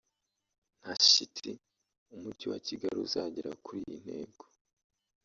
nta shiti Umujyi wa Kigali uzagera kuri iyi ntego